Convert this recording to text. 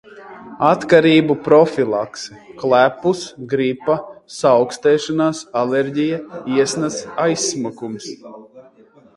Atkarību profilakse. Klepus, gripa, saaukstēšanās, alerģija, iesnas, aizsmakums.